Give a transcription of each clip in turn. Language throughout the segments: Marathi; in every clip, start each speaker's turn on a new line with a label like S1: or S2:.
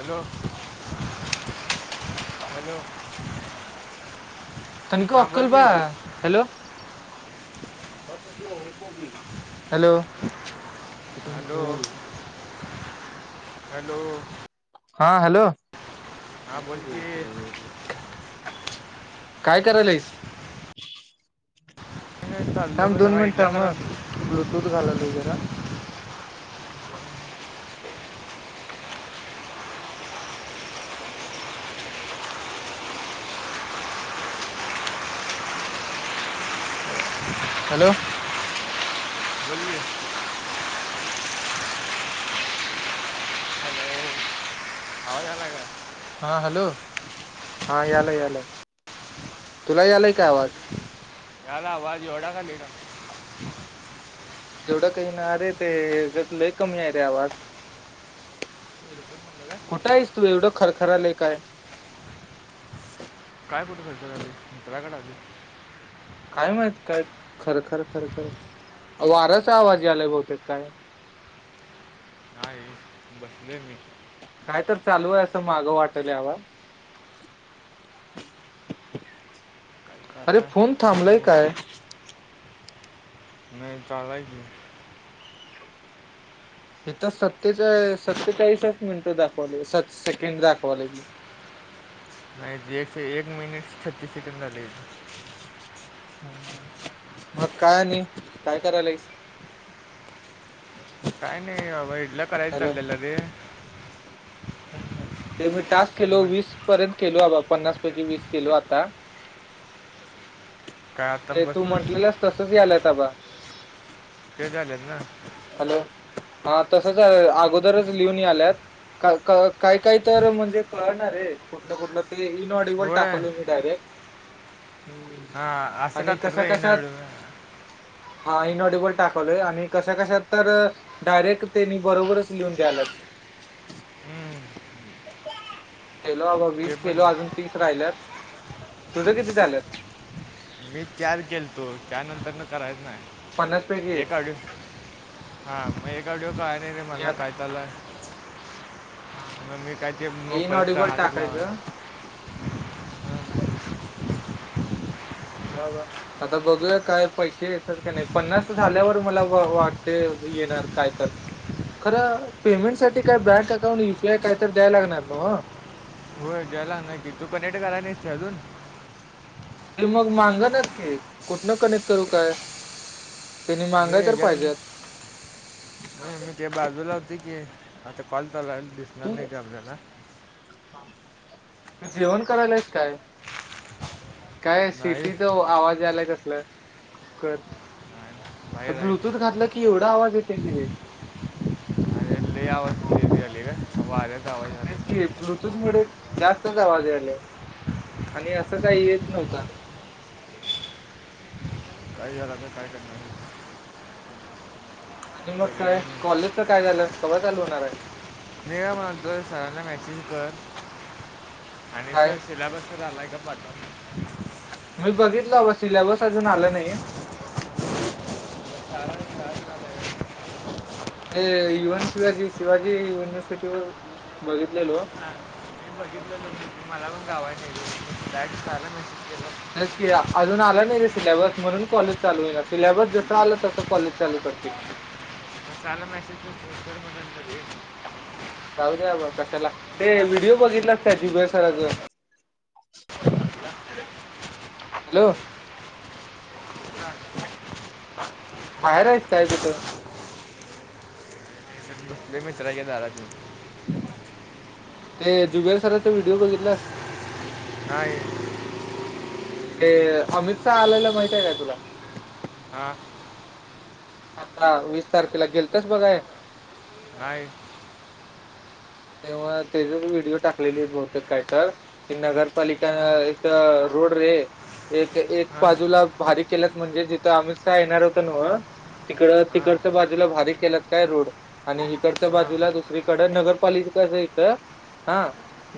S1: हॅलो [unintelligible] हॅलो
S2: तनीको
S1: हां बोल
S2: अंकल
S1: की
S2: बा. हॅलो! हॅलो!
S1: Hello
S2: [unintelligible]
S1: hello!
S2: हा हॅलो!
S1: हां बोल की
S2: [inaudible] काय करायलाईस?
S1: काही नाही चाललोय बग जरा
S2: मिनिट
S1: इडल्या
S2: थांब ह
S1: करालोय.
S2: ब्लूटूथ घालालोय जरा. हॅलो!
S1: बोल की, हॅलो! आवाज यायलाय काय?
S2: हा हॅलो, हा यालाय यालाय, तुला यालाय काय आवाज?
S1: यालाय आवाज एवढा का [unintelligible]
S2: एवढं काही ना रे ते हेज्यात लय कमी आहे रे आवाज.
S1: हेडफोन म्हणलं का?
S2: कुठं आहीस तू एवढं खरखरालय काय?
S1: काय कुठे काय, घराकडे आहे [unintelligible]
S2: काय माहित काय खर खर खर वारयाचा आवाज यालाय बहुतेक काय?
S1: [unintelligible] मी
S2: काय तर चालू आहे असं मागं वाटयल अबा.
S1: काही
S2: अरे
S1: चालला
S2: फोन
S1: बोल
S2: थांबलाय
S1: मग
S2: काय?
S1: नाही चालु आहे की.
S2: इथं सत्तेचाळी-सत्तेचाळीसच मिनिटं दाखवले स-सेकंड दाखवाले.
S1: नाही एक, एक मिनिट छत्तीस सेकंड झाले.
S2: [inaudible] मग काय आणि काय करायलाय?
S1: काय नाही बाबा इडल्या कराय चाललेलं रे.
S2: हम्म ह, ते मी टास्क केलो वीस
S1: मग
S2: पर्यंत केलो बाबा पन्नास पैकी वीस केलो आता.
S1: काय आता
S2: ते तू
S1: बसून
S2: म्हटलेलंस तसच यालाय आबा.
S1: ते झालेत ना?
S2: हॅलो! हा तसच अगोदरच लिहूनणी याल्यात. का काही काही तर म्हणजे कळणारे कुठलं ते इनऑडीबल
S1: होय
S2: टाकायलो मी डायरेक्ट.
S1: हा.
S2: आणि कशा कशात हा इनऑडीबल टाकवलोय आणि कशा कशात तर डायरेक्ट तेनी बरोबरच लिहून द्यायल्यात. केलो अबा
S1: ते
S2: वीस
S1: पण
S2: केलो
S1: आहे
S2: अजून तीस राहिल्यात. तुझं किती झाल्यत?
S1: मी चार केलतो त्यानंतर न करायच
S2: पन्नास
S1: नाही.
S2: पैकी
S1: एक आड हा मग एक ऑडिओ कळाय नाही रे
S2: मी
S1: मला
S2: आत
S1: काय चालाय.
S2: हा हा
S1: मग मी काय ते मग परत
S2: इनऑडिबल
S1: हातच लावाय
S2: टाकायचं
S1: नाही.
S2: [inaudible] [unintelligible] आता बघूया काय पैसे येतात का नाही पन्नास झाल्यावर मला वाटतय येणार काय तर. खरं पेमेंट साठी काय बँक अकाउंट, युपीआय काय तर द्यायला लागणार नव्ह?
S1: हो द्यायलागणार की, तू कनेक्ट झाला नाहीसा अजून?
S2: ते मग मांगा नात की. कुठनं कनेक्ट करू काय? त्यांनी
S1: मी
S2: मांगाय तर
S1: ह्याच्यात ना
S2: पाहिज्यात?
S1: मी मी ते बाजूला होती की, आता कॉल चालु की आता दिसणार नाही आपल्याला.
S2: तू जेवण करायलास काय? काय
S1: नाही
S2: सिटीचं आवाज यायलाय कसलं? कळ
S1: नाही, बाहेर आहे
S2: ब्लुटूथ
S1: ते
S2: घातलं की एवढा आवाज येतोय की रे.
S1: अरे लय आवज यायला वार्याचा आवाज यालाय. [inaudible]
S2: कि ब्लूटूथ मुळे जास्तच आवाज यायला. आणि असं काही येत नव्हता.
S1: काही झालं आता. काय करणार?
S2: आणि मग काय?
S1: पर्याय नाही
S2: कॉलेजच काय झालं कवा चालू होणारय?
S1: मी काय म्हणतोय. सरांना मॅसेज कर आणि
S2: काय
S1: सर सिल्याबस खरा लायगं्द [unintelligible] [inaudible]
S2: मी बघितलं सिलॅबस अजून आलं नाहीये.
S1: बा [unintelligible] [inaudible]
S2: हे इव्हन शिवाजी शिवाजी युनिव्हर्सिटीवर बघितलेलो.
S1: बघीतलेल [inaudible] मला मग गावाय चीट आलं नाही [unintelligible] [inaudible]
S2: तेच की अजून आला नाही रे सिलॅबस. म्हणून कॉलेज चालू होईना. सिलॅबस जसं आलं तस कॉलेज चालू करतील.
S1: काला मेसेज केल [inaudible]
S2: जाऊ द्या कशाला. ते व्हिडिओ बघितलास का जुब सराच?
S1: [inaudible]
S2: हॅलो.
S1: ह [inaudible]
S2: बाहेर हायेस काय कुठं?
S1: ते मित्राच्या दाराते.
S2: ते जुबेर सरांचा व्हिडिओ बघितलास?
S1: काये?
S2: ते अमित शाह आलेला माहिते काय तुला?
S1: हा.
S2: आता वीस तारखेला गेलंतस बघाय?
S1: काय?
S2: तेव्हा तेचेच व्हिडिओ टाकलेली बहुतेक काय तरर? ते नगरपालिका
S1: हां
S2: इथ रोड रे. एक एक
S1: हां
S2: बाजूला भारी केलात. म्हणजे जिथं अमित शहा येणार होत नव? तिकडं
S1: हां
S2: तिकडच्या बाजूला भारी केलात काय रोड. आणि इिकडच्या
S1: हां हां
S2: बाजूला दुसरीकडे नगर पलीचका कसंयचं हा,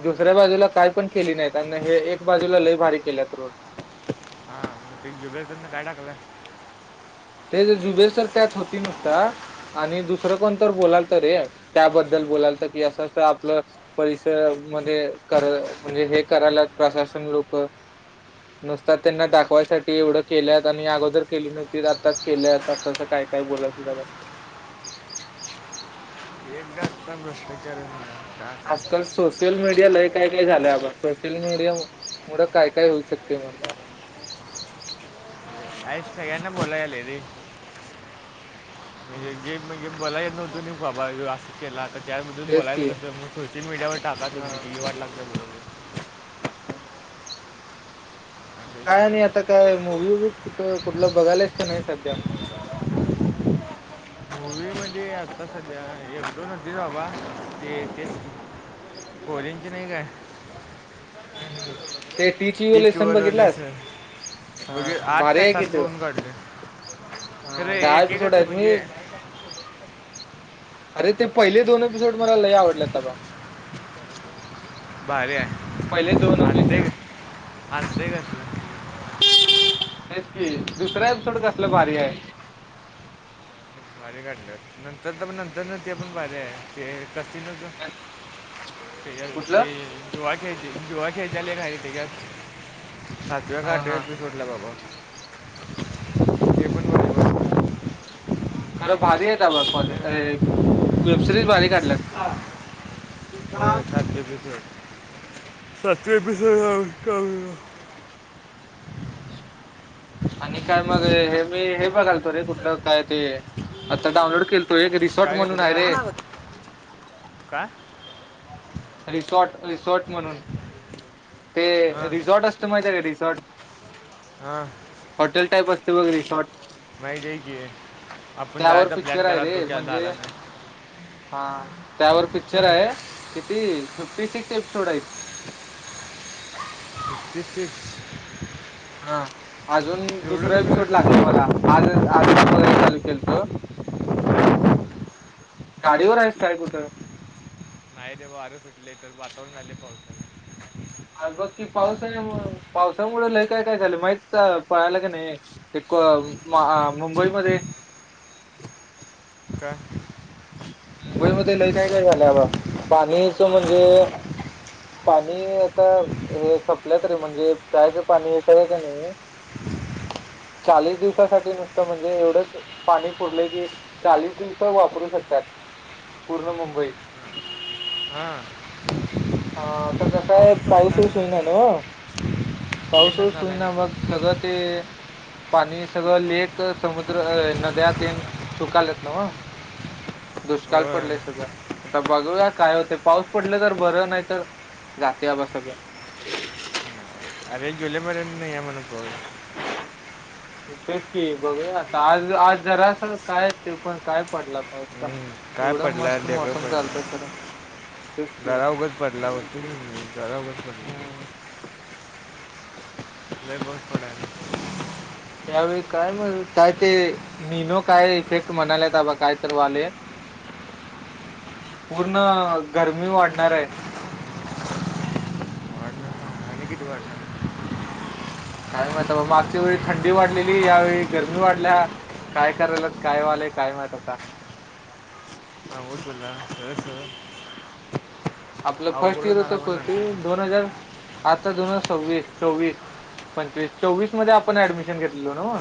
S2: दुसऱ्या बाजूला काय पण केली नाही. अन हे एक बाजूला लय भारी केल्यात रोड.
S1: त जुबे सर न काय टाकला?
S2: ते ज जुबेसर त्यात होती नुसता. आणि दुसरं कोण तर बोलाल तर रे. त्याबद्दल बोलाल त की असं अस आपलं परिसरमध्ये कर म्हणजे हे करायला प्रशासन लोक नुसत त्यांना दाखवायसाठी एवढं केल्यात. आणि अगोदर केली नव्हती. आताच केल्या अस अस काय काय बोलत होत
S1: एक आत्ता भ्रष्टाचार [inaudible]
S2: आजकाल सोशल मीडियाला हे काय काय झालंयबा सोशल मीडिया मुढं काय काय होऊ शकतय मुलं
S1: आईत सगळ्यांना बोलाय यालय रे म्हणजे गे म्हणजे बोलाय येत नव्हतं बाबा व्हो असं केला आता त्याबद
S2: तेच की
S1: बोलायचंसं मग सोशल मडियावर टाका
S2: हा
S1: तुम्हीी विल्हेवाट लागत्या बरबर
S2: काय नाही आता काय मूव वूवी कुठं कुठलं बघायलास काय नाही सध्या [inaudible]
S1: ते आता साद्या एक दोन अलतीत बाबा, ते तेच कोरेची नाही काय?
S2: ह ते टीचिंग व
S1: ती
S2: लेसन
S1: चुवरवाले
S2: बघितलास.
S1: सर
S2: हा
S1: बघे आठ
S2: भारी
S1: का
S2: हाय
S1: सात
S2: कि त्यो.
S1: बघून काढले
S2: हा
S1: खरं
S2: दहा
S1: एक
S2: एपिसोड
S1: एकच
S2: आहेत मी
S1: म्हणजे
S2: अरे ते पहिले दोन एपिसोड मला लय आवडलेत बाबा
S1: भारी
S2: पहिले दोन
S1: आहे आत्ते
S2: एपिसोड
S1: घ आत्ते घ कसलं.
S2: तेच की दुसरा एपिसोड कसलं भारी हाय.
S1: अर घलं नंतर पण नंतर न ते पण बते कस न ते
S2: कुठलं
S1: ते जुवा खेळ जुवा खेळचत्याल हाय तेच्यात, सातव्या का
S2: हा
S1: आठव्या
S2: हा
S1: एपिसोड बाबा,
S2: हम्म.
S1: ते पण बरोबर
S2: खरं भारी आहेत बाबा कॉले
S1: हं.
S2: वेबसिरीज भारी काढल्यात.
S1: होय सातशे एपिसोड सातशे एपिसोड [unintelligible]
S2: [unintelligible] आणि काय मग हे मी हे बघालतो रे कुठलं काय ते आता डाउनलोड केलं तो एक रिसॉर्ट
S1: काय
S2: म्हणून
S1: कुठे
S2: आहे रे
S1: झालं काय?
S2: रिसॉर्ट रिसॉर्ट म्हणून ते
S1: हां
S2: रिसॉर्ट असत माहितये का ते रिसॉर्ट
S1: हा
S2: हॉटेल टाईप असते बघ रिसॉर्ट
S1: माहितीये कि आपण
S2: त्यावर
S1: जायचा
S2: पिक्चर
S1: प्लॅन
S2: आहे
S1: करालतो
S2: रे
S1: ते काय
S2: म्हणजे
S1: झाला नाही.
S2: हा त्यावर पिक्चर आहे किती फिफ्टी सिक्स एपिसोड हाईत.
S1: [unintelligible]
S2: हा अजून
S1: एवढं
S2: दुसरा एपिसोड
S1: कसं काय
S2: लागलाय मला आज आत्ता बघाय चालू केलतो. गाडी ववर आहेस काय कुठं?
S1: नाही रे वार सुटलंय, वातावरण झालाय पाऊसच
S2: अ बगकीी पावसा पावसामुळे लय काय काय झालं माहित पळाला का नाही, ते मुंबईमध्ये
S1: का?
S2: मुंबईमध्येध्ये लय काय काय झालंबा पाणीच म्हणजे पाणी आता हे सपल्याय तरी म्हणजे जायच पाणी याचय का नाइ
S1: [inaudible]
S2: चाळीस दिवसासाठी नुसतं म्हणजे एवढंच, पाणी पुरले की चाळीस दिवस वापरू शकतात. पूर्ण मुंबई,
S1: हा,
S2: हा कसं आहे पाऊस
S1: पडला
S2: पाऊस
S1: ना.
S2: होईणा नाव्ह
S1: येणं
S2: पाऊसच
S1: झालं
S2: होईना, मग
S1: नाही
S2: सगळ ते पाणी सगळं लेक, समुद्र, नद्या तेन सुकालेत न्हव. दुष्काल
S1: होय
S2: पडलय सगळ, आता बघूया काय होतय पाऊस पडलं तर, बरं नाही तर जातय अबा सगळ
S1: अरे जुलै महिन्यात नाही म्हण पाऊस.
S2: तेच की, बघुया आता आज आज जरास काय ते पण काय पडला पाऊस सांग?
S1: हं, काय
S2: एवढा
S1: पडला
S2: मस्त मोसम झालता खरं. तेच की
S1: जरा उघच पडला, होतो की मी, जरा उघच पडला.
S2: हम्म
S1: नाही पाऊस पडायला.
S2: ह्यावेळी काय म काय ते निनो, काय इफेक्ट म्हणाल्यात बाबा काय तर व्हायलय. पूर्ण गरमी वाढणार हाय.
S1: वाढणार आणि किती वाढणार?
S2: काय माहित बा, मागच्या वेळी थंडी वाढलेली यावेळी गरमी वाढल्या काय करायल्यात, काय व्हालय? काय माहीत आता?
S1: उन्हान घर सगळ
S2: आपलं फर्स्ट इयर होत
S1: आला पण
S2: करतोय,
S1: नंतर
S2: दोन हजार आता दोन हजार सव्वीस, चोवीस पंचवीस चोवीस मध्ये आपण ऍडमिशन घेतलेलो न्हव?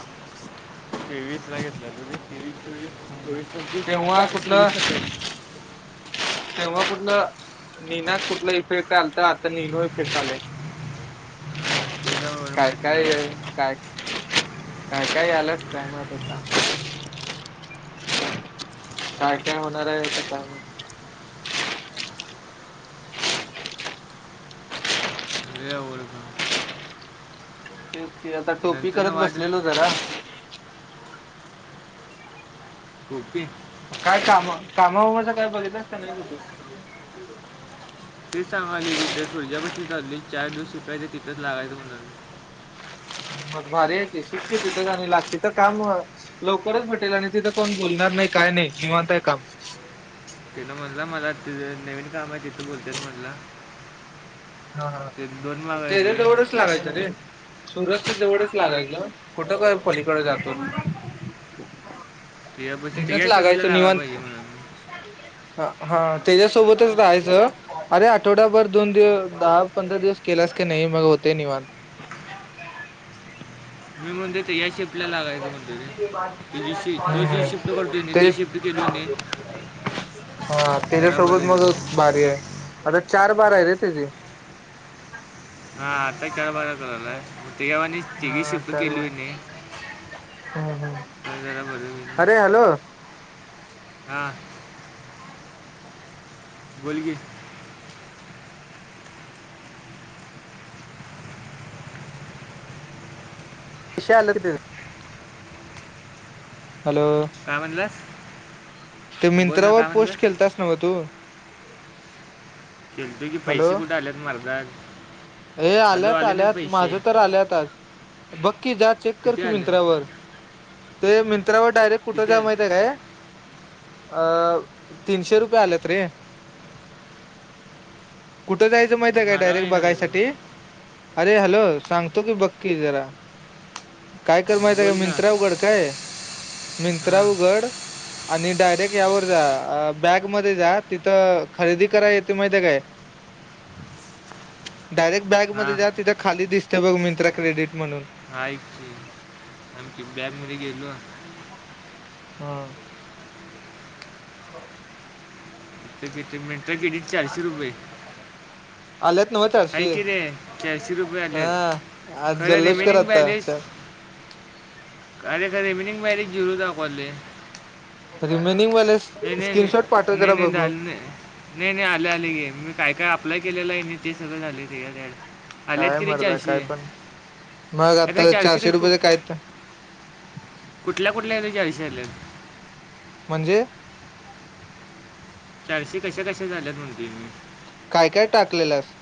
S1: तेवीसला घेतल्या लो रे, तेवीस - चोवीस, चोवीस - पंचवीस
S2: तेव्हा
S1: आता
S2: कुठलं
S1: सवीस - सत्तावीस.
S2: तेव्हा कुठलं निना कुठला इफेक्ट आलता? तर आता निनो इफेक्ट आलाय.
S1: हां ते एवढं
S2: काय
S1: माहीत नाही
S2: काय य?
S1: बाबा
S2: काय? काय काय याल्यात काय माहित आता. काय काय होणार हाय आता काय माहित?
S1: लई अवघड होणार.
S2: तेच की आता, टोपी
S1: नंतर ना
S2: करत
S1: वाट
S2: बसलेलो जरा
S1: टोपी?
S2: काय काम कामावमाच काय बघितलंस का नाही कुठ?
S1: तेच सांगालोय की, ते सूर्ज्यापशी चाललोय चार दिवस शिकायचे तिंथच लागायंच म्हणून
S2: मग भारी हाय कि, शिकते तिथे जाणी लागते तर काम, लवकरच भेटेल आणि तिथं कोण बोलणार नाही काय नाही? निवांत हाय काम.
S1: तेन म्हणला मला, तिथ नवीन काम हाय तिथं बोलत्यात म्हणला.
S2: हा हा.
S1: ते दोन
S2: ते
S1: मागायचं
S2: तर
S1: रे
S2: तेवढंच तीथ लागायचं रे, सुरजच्या जवळच लागायचं. कुठं काय पलीकडे जातो?
S1: ते या बस ते
S2: तिथंच
S1: या शिफ्टला
S2: लागायचं
S1: लागा
S2: निवांत
S1: पाहिजे म्हणून
S2: हा हा. त्याच्यासोबतच राहायचं अरे आठवड्याभर दोन दिव दहा पंधरा दिवस केल्यास का नाही मग होतय निवांत?
S1: मी म्हणतोय ती याशीस.
S2: हम् हम्
S1: तो जी शिफ्ट करतोय ना
S2: ते
S1: ती
S2: [unintelligible]
S1: शिफ्ट केली होती
S2: हा
S1: जरा
S2: त्याच्यासोबत
S1: बरं
S2: मग
S1: होईल
S2: भारी हाय, आर चार बारा हाय रे तेजी.
S1: हा आता चार बारा करालाय, तेच्यावाणी तीघी शिफ्ट केली व्हय नी.
S2: हा हा.
S1: जरा बरं
S2: अरे हॅलो.
S1: हा. बोल की
S2: पैसे आलं घरी. हॅलो.
S1: कायं म्हणलास?
S2: ते
S1: बोल ना
S2: मिंत्रावर
S1: काय
S2: पोस्ट
S1: म्हणलास
S2: केलतास नव्ह तु?
S1: गेलतो की. पैसे कुठं आल्यात मला तर.
S2: हे आल्यात - आल्यात. माझं तर आल्यात आज. बक्की जा. चेक कर
S1: किती
S2: की,
S1: आले
S2: मिंत्रावर. ते मिंत्रावर डायरेक्ट कुठं
S1: किती
S2: जा?
S1: आले
S2: माहितंय काय? अ तीनशे रुपये आल्यात रे. कुठं जायचं, माहितंय का?
S1: मला
S2: डायरेक्ट
S1: काही नाही
S2: बघायसा
S1: झालं
S2: अरे, हॅलो. सांगतो की, बक्की जरा. काय कर माहितंय का?
S1: बोल ना
S2: मिंत्रा उगड, काय? मिंत्रा
S1: हां
S2: उघड आणि डायरेक्ट यावर जा. अ बॅग मध्ये जा. तिथं खरेदी करा. येतं, माहितीय काय? डायरेक्ट बॅगमध्ये
S1: हां
S2: जा. तिथं, खाली दिसतं बघ. मिंत्रा क्रेडिट म्हणून.
S1: ऐक की. आम ती बॅगमध्ये गेलो.
S2: हा.
S1: ती किती मिनिट
S2: [unintelligible] आलेत नव चारशे.
S1: आहे की रे चारशे रुपये
S2: [unintelligible]
S1: आले
S2: हा,
S1: आहेत
S2: आज
S1: खरं
S2: जल्लोष कर
S1: रिमेनिंग
S2: आता. चल. [inaudible]
S1: काय रे, का रे. विनिंग मॅरेज जिरो दाखवले.
S2: Remaining balance. स्क्रीनशॉट पाठव. जरा बघू.
S1: नायं. नाही - नाही. आले- आले. ये मी काय - काय अप्लाय केलेलं. नी ते सगळं झालं त्याच्यात याड. आल्यात
S2: काय
S1: की नी
S2: मर्दा
S1: चारशे.
S2: काय पण मग
S1: आरे,
S2: आता
S1: चारशे कसं, कु
S2: रुपयेच काय
S1: कुठल्या - कुठल्या? याने चारशे आल्यात.
S2: म्हणजे?
S1: चारशे, कशा - कशाचे आल्यात. म्हणतोय मी.
S2: काय - काय, टाकलेलास?